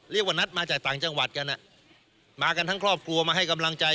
เรียกว่านัดมาจากต่างจังหวัดกันมากันทั้งครอบครัวมาให้กำลังใจ